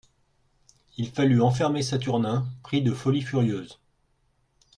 Il fallut enfermer Saturnin, pris de folie furieuse.